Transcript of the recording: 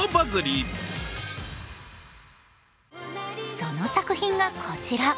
その作品がこちら。